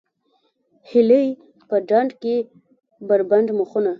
هیلۍ په ډنډ کې بربنډ مخونه